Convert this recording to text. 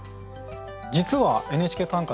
実は「ＮＨＫ短歌」